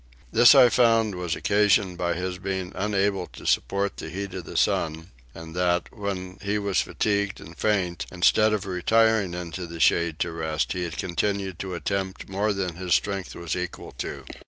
This I found was occasioned by his being unable to support the heat of the sun and that, when he was fatigued and faint, instead of retiring into the shade to rest he had continued to attempt more than his strength was equal to.